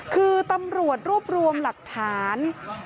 คือตำรวจรวบรวมหลักฐาน